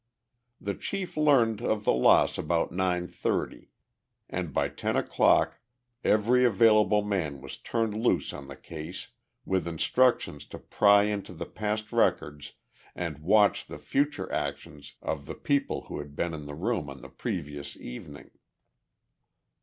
The chief learned of the loss about nine thirty, and by ten o'clock every available man was turned loose on the case, with instructions to pry into the past records and watch the future actions of the people who had been in the room on the previous evening.